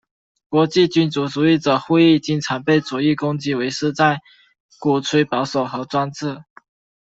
国际君主主义者会议经常被左翼攻击为是在鼓吹保守和专制。